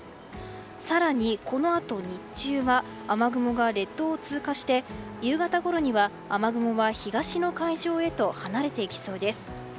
更に、このあと日中は雨雲が列島を通過して夕方ごろには雨雲は東の海上へと離れていきそうです。